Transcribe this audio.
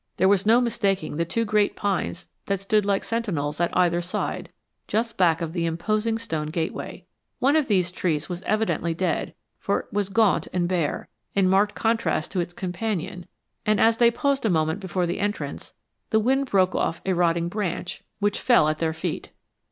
There was no mistaking the two great pines that stood like sentinels at either side, just back of the imposing stone gateway. One of these trees was evidently dead, for it was gaunt and bare, in marked contrast to its companion; and as they paused a moment before the entrance, the wind broke off a rotting branch, which fell at her feet.